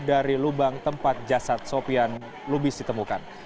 dari lubang tempat jasad sopian lubis ditemukan